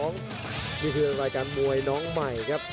นี่คือรายการมวยน้องใหม่ครับ